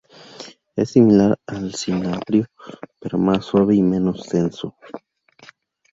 Es similar al cinabrio, pero más suave y menos denso.